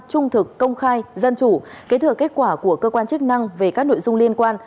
trung thực công khai dân chủ kế thừa kết quả của cơ quan chức năng về các nội dung liên quan